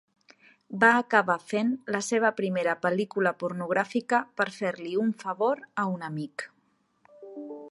Va acabar fent la seva primera pel·lícula pornogràfica per fer-li un favor a un amic.